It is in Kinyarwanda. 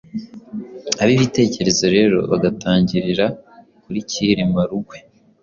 Ab'Ibitekerezo rero bagatangirira kuri Cyirima Rugwe,